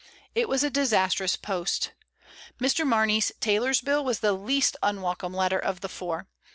It was a disastrous post. Mr. Mar ney's tailor's bill was the least unwelcome letter of the four.